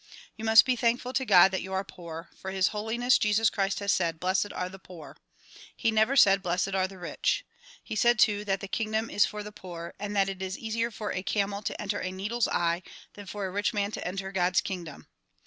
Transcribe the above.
You must be thankful to God that you are poor, for His Holi ness Jesus Christ has said "Blessed are the poor"; he never said Blessed are the rich. He said too that the kingdom is for the poor and that it is easier for a camel to enter a needle's eye than for a rich man to enter God's kingdom.